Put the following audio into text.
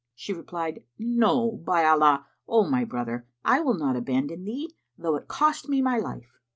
She replied, "No, by Allah, O my brother, I will not abandon thee, though it cost me my life!"